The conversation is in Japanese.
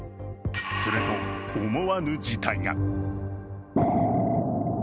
すると、思わぬ事態が。